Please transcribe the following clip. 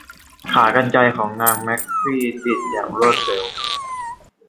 ขากรรไกรของนางแมคฟี ติดอย่างรวดเร็ว